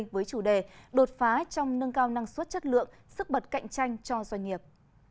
với chủ đề đột phá trong nâng cao năng suất chất lượng sức bật cạnh tranh cho doanh nghiệp